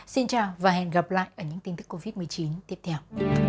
xin chào và hẹn gặp lại ở những tin tức covid một mươi chín tiếp theo